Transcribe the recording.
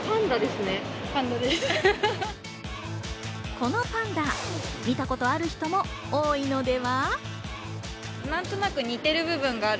このパンダ、見たことある人も多いのでは？